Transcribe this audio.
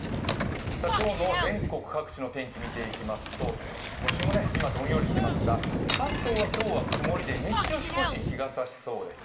今日の全国各地の天気、見ていきますと都心も今どんよりしていますが関東も曇りで日中少し日がさしそうです。